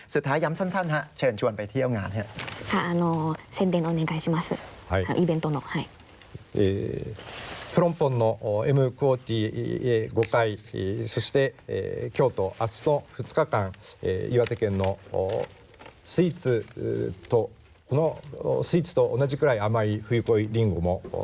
สุดท้ายยำซันท่านฮะเชิญชวนไปเที่ยวงานฮะ